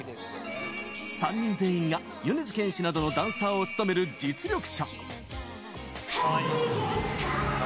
３人全員が米津玄師などのダンサーを務める実力者。